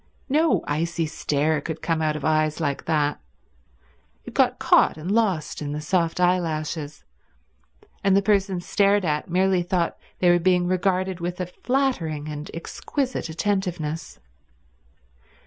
No icy stare could come out of eyes like that; it got caught and lost in the soft eyelashes, and the persons stared at merely thought they were being regarded with a flattering and exquisite attentiveness.